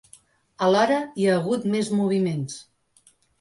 Alhora, hi ha hagut més moviments.